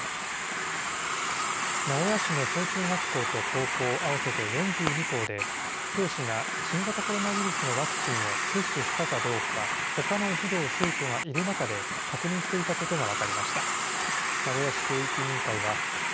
名古屋市の小中学校と高校合わせて４２校で、教師が新型コロナウイルスのワクチンを接種したかどうか、ほかの児童・生徒がいる中で、確認していたことが分かりました。